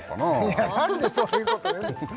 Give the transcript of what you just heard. いや何でそういうこと言うんですか！